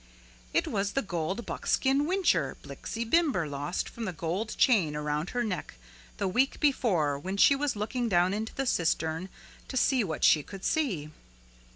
It was the gold buckskin whincher Blixie Bimber lost from the gold chain around her neck the week before when she was looking down into the cistern to see what she could see.